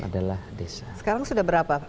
adalah desa sekarang sudah berapa